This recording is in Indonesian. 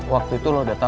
waktu itu lo udah tau